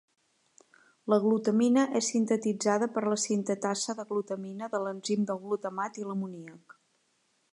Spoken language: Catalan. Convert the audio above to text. La glutamina és sintetitzada per la sintetasa de glutamina de l'enzim del glutamat i l'amoníac.